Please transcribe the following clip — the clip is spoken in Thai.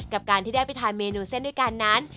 กับการที่ได้ไปทานเมนูเส้นด้วยกันนั้น